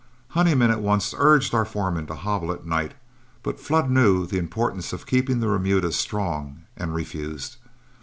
Honeyman at once urged our foreman to hobble at night, but Flood knew the importance of keeping the remuda strong, and refused.